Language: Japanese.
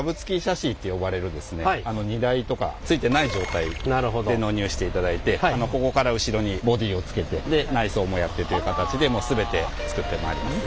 荷台とかついてない状態で納入していただいてここから後ろにボディーをつけてで内装もやってという形で全て作ってまいります。